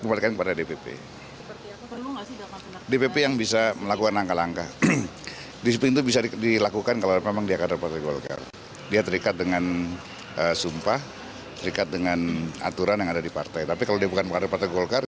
aturan yang ada di partai tapi kalau dia bukan mengandung partai golkar